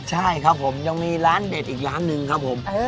ใช่ครับผมยังมีร้านเด็ดอีกร้านหนึ่งครับผม